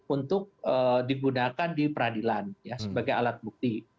untuk digunakan di peradilan sebagai alat bukti